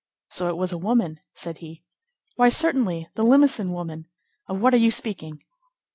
"So it was a woman?" said he. "Why, certainly. The Limosin woman. Of what are you speaking?"